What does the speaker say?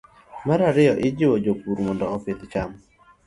Mar ariyo, ijiwo jopur mondo opidh cham